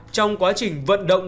trong quá trình vận động